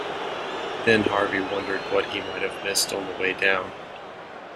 Then Harvey wondered what he might have missed on the way down.